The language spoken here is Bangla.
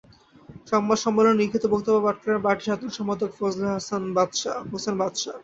সংবাদ সম্মেলনে লিখিত বক্তব্য পাঠ করেন পার্টির সাধারণ সম্পাদক ফজলে হোসেন বাদশা।